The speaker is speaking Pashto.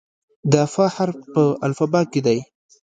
د "ف" حرف په الفبا کې دی.